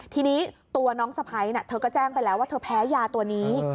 ทีนี้ตัวน้องสะพ้ายเธอก็แจ้งไปแล้วว่าเธอแพ้ยาตัวนี้